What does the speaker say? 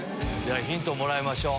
ヒントをもらいましょう。